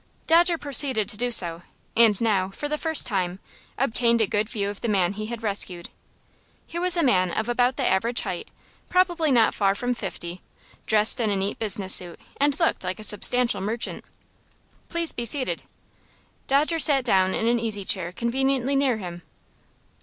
Dodger proceeded to do so, and now, for the first time, obtained a good view of the man he had rescued. He was a man of about the average height, probably not far from fifty, dressed in a neat business suit, and looked like a substantial merchant. "Please be seated." Dodger sat down in an easy chair conveniently near him.